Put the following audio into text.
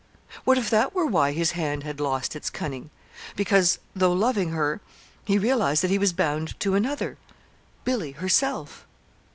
_ What if that were why his hand had lost its cunning because, though loving her, he realized that he was bound to another, Billy herself?